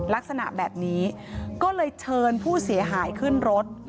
ลักษณะแบบนี้ก็เลยเชิญผู้เสียหายขึ้นรถ